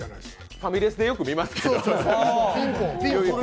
ファミレスでよく見ますけどね。